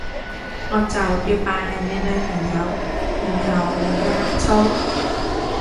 我就要扮係你女朋友，然後令佢呷醋？